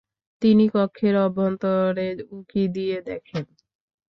তিনি কক্ষের অভ্যন্তরে উঁকি দিয়ে দেখেন।